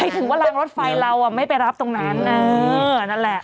ถึงว่ารางรถไฟเราไม่ไปรับตรงนั้นเออนั่นแหละ